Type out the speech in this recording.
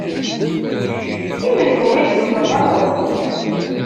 I menhu i d-tukreḍ alɣem?